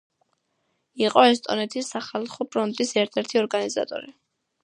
იყო ესტონეთის სახალხო ფრონტის ერთ-ერთი ორგანიზატორი.